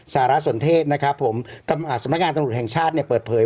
สารสนเทศนะครับผมสำงานตำรวจแห่งชาติเนี่ย